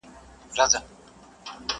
لکه پاڼه د خزان باد به مي یوسي.!